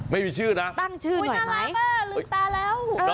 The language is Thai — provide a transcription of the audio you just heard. ไม่มีชื่อน่ะตั้งชื่อหน่อยไหมอุ๊ยน่ารักมากลึงตาแล้ว